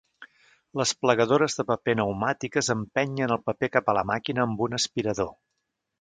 Les plegadores de paper pneumàtiques empenyen el paper cap a la màquina amb un aspirador.